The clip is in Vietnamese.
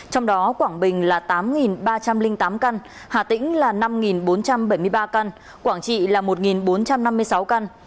trong đó quảng bình là tám ba trăm linh tám căn hà tĩnh là năm bốn trăm bảy mươi ba căn quảng trị là một bốn trăm năm mươi sáu căn